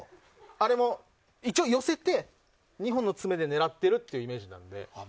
あれも一応寄せて２本の爪で狙ってるイメージなんで。